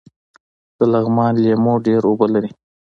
د لغمان لیمو ډیر اوبه لري